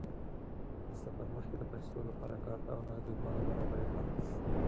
د سفر مخکې د پیسو لپاره کارت او نغدې دواړه برابرې کړه.